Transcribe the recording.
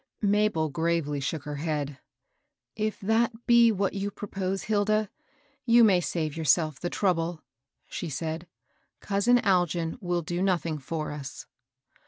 Mabel gravely shook hdr head. " If that be what you propose, Hilda, you may save yourself the trouble," she said. " Cousin Algin will do nothing for us."